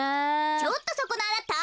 ちょっとそこのあなた。